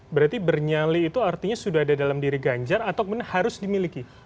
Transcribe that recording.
berarti bernyali itu artinya sudah ada dalam diri ganjar atau harus dimiliki